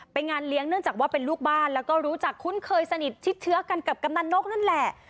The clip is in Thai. งานเลี้ยงเนื่องจากว่าเป็นลูกบ้านแล้วก็รู้จักคุ้นเคยสนิทชิดเชื้อกันกับกำนันนกนั่นแหละ